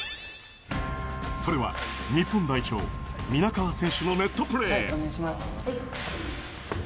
それは、日本代表、皆川選手のネットプレー。